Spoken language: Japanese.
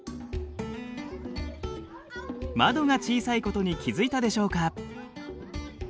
窓が小さいことに気付いたでしょうか。